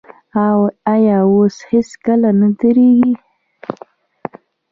آیا او هیڅکله نه دریږي؟